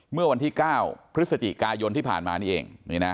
เมื่อวันที่๙พฤศจิกายนที่ผ่านมานี่เอง